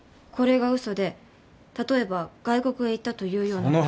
これがうそで例えば外国へ行ったというような。